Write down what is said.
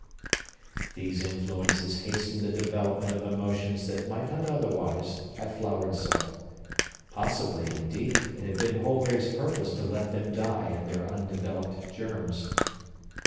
These influences hastened the development of emotions that might not otherwise have flowered so. Possibly, indeed, it had been Holgrave's purpose to let them die in their undeveloped germs.